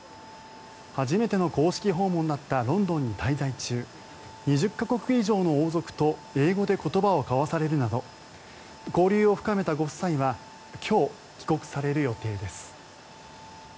初めての公式訪問だったロンドンに滞在中２０か国以上の王族と英語で言葉を交わされるなど交流を深めたご夫妻は今日、帰国される予定です。